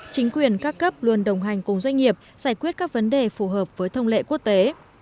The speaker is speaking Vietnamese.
chính quyền các cấp luôn đồng hành cùng doanh nghiệp giải quyết các vấn đề phù hợp với thông lệ quốc tế